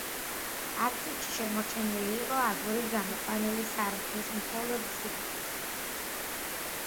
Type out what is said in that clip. აფსიდში შემორჩენილი იყო აგურით გამოყვანილი სარკმლის მხოლოდ წირთხლი.